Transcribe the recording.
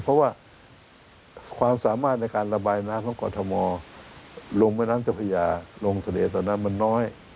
เพราะว่าความสามารถในการระบายน้ำของกรธมอธิภาคโรงมื้อน้ำเจ้าพญาโรงเศรษฐ์ตอนนั้นมันน้อย